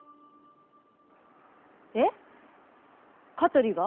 えっ香取が？